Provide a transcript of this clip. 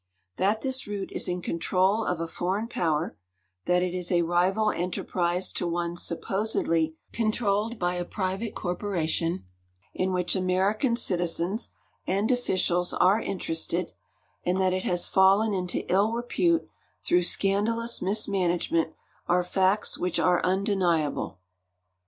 That this route is in control of a foreign power ; that it is a rival enterprise to one supposedly controlled by a private corpo ration in which American citizens and officials are interested, and that it has fallen into ill repute through scandalous mismanage ment are facts which are undeniable.